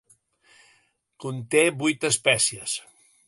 Conté vuit espècies.